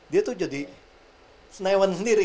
dia tuh jadi senayan sendiri